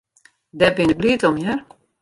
Dêr bin ik bliid om, hear.